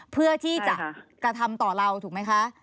เพื่อที่จะกระทำต่อเราถูกไหมคะ